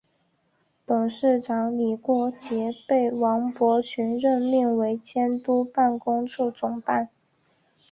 董事长李国杰被王伯群任命为监督办公处总办。